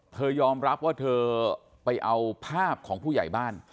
ยอมรับว่าเธอไปเอาภาพของผู้ใหญ่บ้าน